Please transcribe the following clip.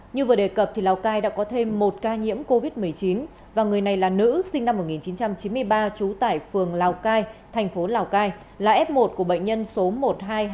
như vừa đề cập thì lào cai đã có thêm một ca nhiễm covid một mươi chín và người này là nữ sinh năm một nghìn chín trăm chín mươi ba trú tại phường lào cai thành phố lào cai là f một của bệnh nhân số một nghìn hai trăm ba